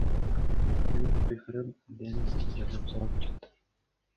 Мен кыйкырып, элден жардам сурап жаттым.